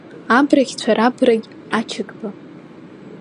Абрагьцәа-рабрагь Ачыгба!